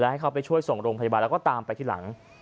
ให้เขาไปช่วยส่งโรงพยาบาลแล้วก็ตามไปทีหลัง